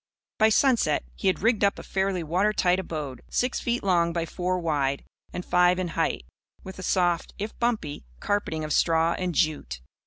By sunset he had rigged up a fairly watertight abode, six feet long by four wide and five in height, with a soft, if bumpy, carpeting of straw and jute.